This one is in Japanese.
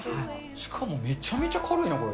しかもめちゃめちゃ軽いな、これ。